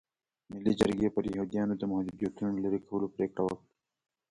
ملي جرګې پر یهودیانو د محدودیتونو لرې کولو پرېکړه وکړه.